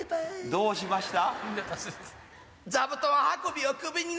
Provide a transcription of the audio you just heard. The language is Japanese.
どうしました？